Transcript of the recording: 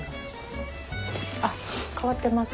あっ変わってます